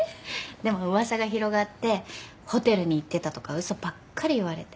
でも噂が広がってホテルに行ってたとか嘘ばっかり言われて。